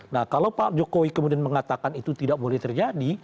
nah kalau pak jokowi kemudian mengatakan itu tidak boleh terjadi